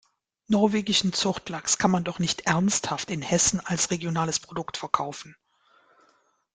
Norwegischen Zuchtlachs kann man doch nicht ernsthaft in Hessen als regionales Produkt verkaufen!